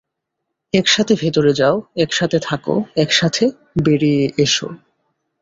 একসাথে ভেতরে যাও, একসাথে থাকো, একসাথে বেরিয়ে এসো।